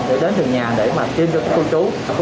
để đến thường nhà để mà tiêm cho các cô chú